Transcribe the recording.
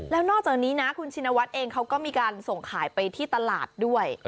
แล้วนอกจากนี้นะคุณชินวัฒน์เองเขาก็มีการส่งขายไปที่ตลาดด้วย